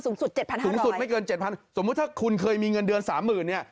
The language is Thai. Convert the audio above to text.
สูงสุดไม่เกินเจ็ดพันสมมุติถ้าคุณเคยมีเงินเดือนสามหมื่นเนี่ย